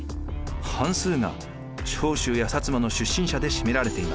半数が長州や摩の出身者で占められています。